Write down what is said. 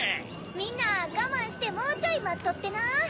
みんながまんしてもうちょいまっとってな。